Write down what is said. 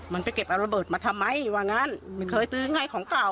มันจะเก็บระเบิดมาทำไมไม่เคยซื้อให้ของเก่า